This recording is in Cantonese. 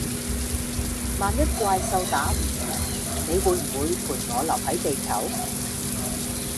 萬一怪獸打唔完，你會不會陪我留係地球？